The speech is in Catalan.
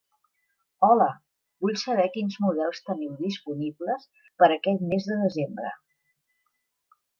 Hola, vull saber quins models teniu disponibles per a aquest mes de desembre.